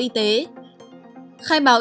y tế khai báo